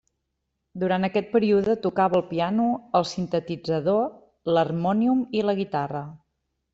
Durant aquest període tocava el piano, el sintetitzador, l'harmònium i la guitarra.